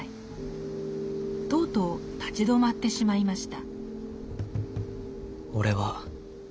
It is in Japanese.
とうとう立ち止まってしまいました。